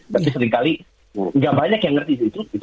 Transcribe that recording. tapi seringkali gak banyak yang ngerti itu maksudnya apa gitu